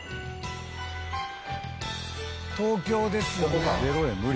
東京ですよね？